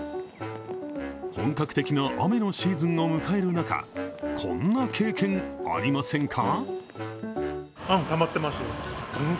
本格的な雨のシーズンを迎える中こんな経験、ありませんか？